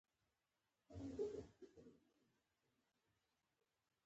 هغه کې اوسنی افغانستان شامل نه دی.